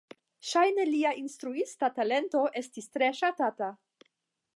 Ŝajne lia instruista talento estis tre ŝatata.